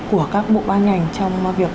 của các bộ ban ngành trong việc